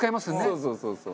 そうそうそうそう。